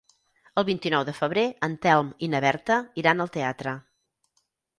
El vint-i-nou de febrer en Telm i na Berta iran al teatre.